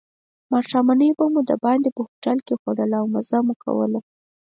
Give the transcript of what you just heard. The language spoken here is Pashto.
ماښامنۍ به مو دباندې په هوټل کې خوړله او مزه مو کوله.